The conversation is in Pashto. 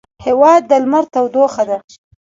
هېواد د لمر تودوخه ده.